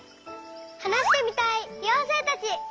はなしてみたいようせいたち！